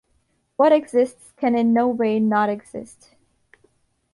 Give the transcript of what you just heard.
What exists can in no way not exist.